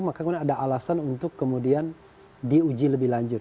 maka kemudian ada alasan untuk kemudian diuji lebih lanjut